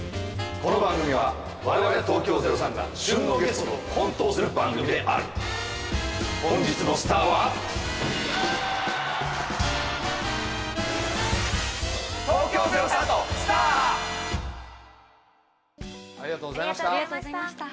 この番組は我々東京０３が旬のゲストとコントをする番組である本日のスタアはありがとうございました。